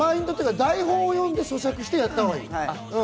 台本読んで、咀嚼してやったほうがいい。